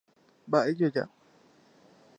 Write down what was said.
Mba'e joja.